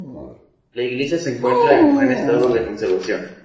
La iglesia se encuentra en buen estado de conservación.